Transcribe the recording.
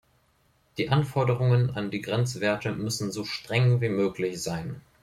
Die Anforderungen an die Grenzwerte müssen so streng wie möglich sein.